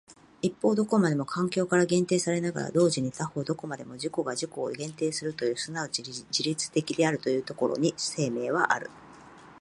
一方どこまでも環境から限定されながら同時に他方どこまでも自己が自己を限定するという即ち自律的であるというところに生命はある。